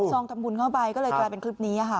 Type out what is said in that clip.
ซองทำบุญเข้าไปก็เลยกลายเป็นคลิปนี้ค่ะ